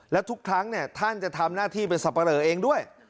แล้วทุกครั้งท่านจะทำหน้าที่เป็นสับปะเลอเองด้วย